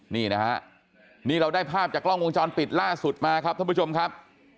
นี่นะฮะนี่เราได้ภาพจากกล้องวงจรปิดล่าสุดมาครับท่านผู้ชมครับ